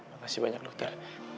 makasih banyak dokter